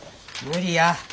無理や。